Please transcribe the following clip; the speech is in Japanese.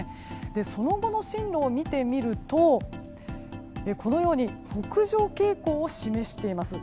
その後の進路を見てみるとこのように北上傾向を示しています。